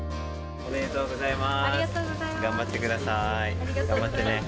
おめでとうございます。